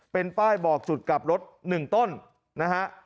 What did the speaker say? เป็นป้ายบอกจุดกลับรถ๑ต้นนะฮะ